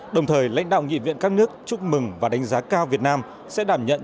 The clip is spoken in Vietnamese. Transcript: đồng thời lãnh đạo nghị viện các nước chúc mừng và đánh giá cao việt nam sẽ đảm nhận